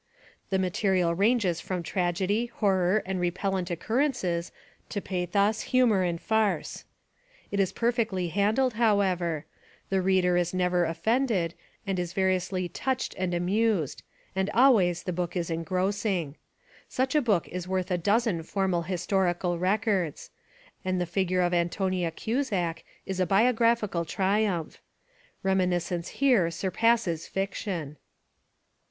The material ranges from tragedy, horror and re pellent occurrences to pathos, humor and farce. It is perfectly handled, however; the reader is never of fended and is variously touched and amused and always the book is engrossing. Such a book is worth a dozen formal historical records. And the figure of Antonia Cuzak is a biographical triumph. Rem iniscence here surpasses fiction.